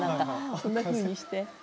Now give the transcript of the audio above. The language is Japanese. こんなふうにして。